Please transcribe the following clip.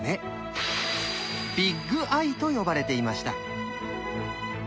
「ビッグ・アイ」と呼ばれていました。